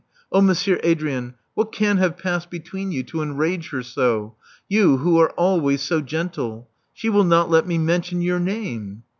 Oh, Monsieur Adrien, what can luive passed between you to enrage her so? You, who are always so gentle! — she will not let me mention your name.'